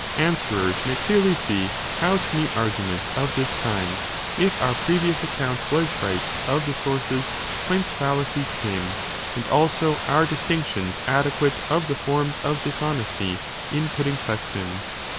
Answerers may clearly see how to meet arguments of this kind, if our previous account was right of the sources whence fallacies came, and also our distinctions adequate of the forms of dishonesty in putting questions.